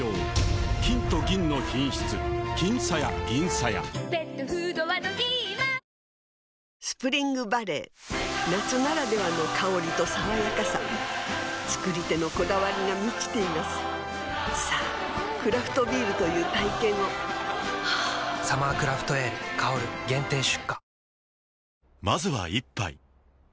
さあ川村スプリングバレー夏ならではの香りと爽やかさ造り手のこだわりが満ちていますさぁクラフトビールという体験を「サマークラフトエール香」限定出荷